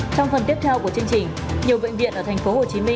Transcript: trong phần tiếp theo của chương trình nhiều bệnh viện ở tp hcm